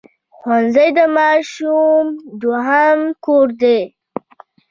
ښوونځی د ماشوم دوهم کور دی